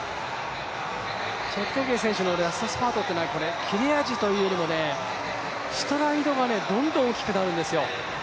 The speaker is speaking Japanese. チェプテゲイ選手のラストスパートというのは切れ味というよりストライドがどんどん大きくなるんですよ。